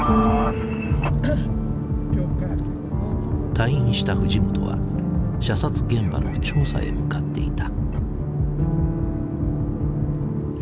退院した藤本は射殺現場の調査へ向かっていた。